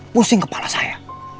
pusing kepala saya